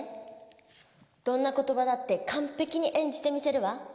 どんな言葉だってかんぺきに演じてみせるわ。